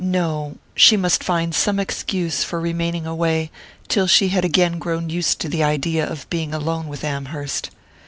No she must find some excuse for remaining away till she had again grown used to the idea of being alone with Amherst.